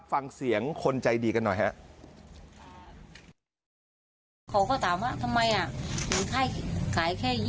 ฟังเสียงคนใจดีกันหน่อยฮะ